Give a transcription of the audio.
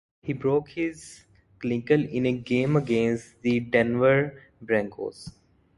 He broke his clavicle in a game against the Denver Broncos.